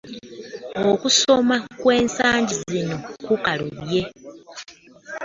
Okusoma kwensangi zino ku kalubye.